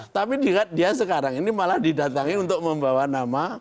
tapi dia sekarang ini malah didatangi untuk membawa nama